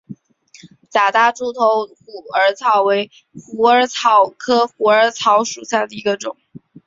假大柱头虎耳草为虎耳草科虎耳草属下的一个种。